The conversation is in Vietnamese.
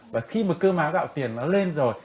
và khi mà cơ má gạo tiền nó lên rồi